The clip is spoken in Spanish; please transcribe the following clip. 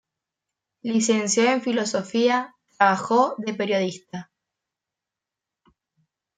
Licenciado en Filosofía, trabajó de periodista.